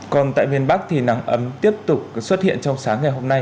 còn tại miền bắc thì nắng ấm tiếp tục xuất hiện trong sáng ngày hôm nay